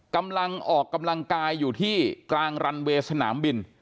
กำลังออกกำลังกายอยู่ที่กลางรันเวย์สนามบิน